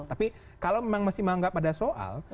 tapi kalau memang masih menganggap ada soal